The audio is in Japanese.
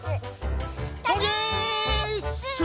トゲーッス！